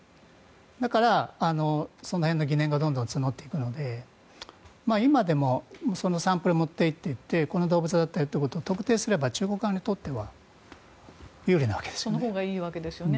だから、その辺の疑念がどんどん募っていくので今でもサンプルを持っていってこの動物だったよということを特定すれば中国側にとっては有利なわけですよね。